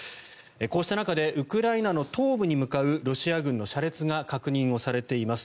こうした中でウクライナの東部に向かうロシア軍の車列が確認されています。